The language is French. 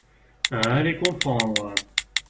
Allez comprendre